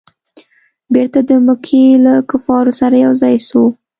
بیرته د مکې له کفارو سره یو ځای سو.